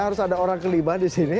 harus ada orang kelima di sini